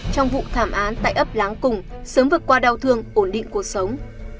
trong vụ thảm án tại ấp láng cùng sớm vượt qua đau thương ổn định cuộc sống